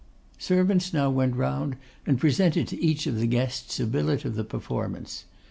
Servants now went round and presented to each of the guests a billet of the performance.